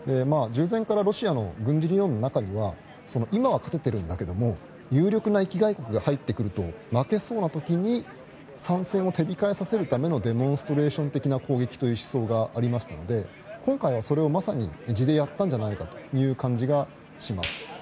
従前からロシアの軍事利用の中では今は勝てているんだけれども有力なものが入ってくると負けそうな時に参戦を手控えさせるためのデモンストレーション的な軍事攻撃がありますので今回はそれをまさに地でやったんじゃないかという感じがします。